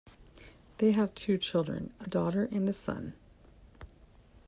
They have two children, a daughter and son.